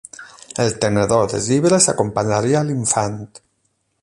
El tenedor de llibres, acompanyaria l'infant